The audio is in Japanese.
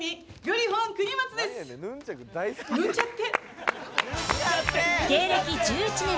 ぬんちゃって！